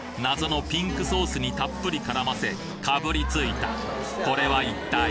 謎のピンクソースにたっぷり絡ませかぶりついたこれは一体？